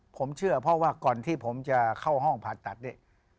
ผมเชื่อเพราะว่าก่อนที่ผมจะเข้าห้องผ่าตัดเนี่ย